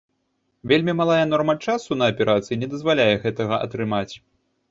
Вельмі малая норма часу на аперацыі не дазваляе гэтага атрымаць.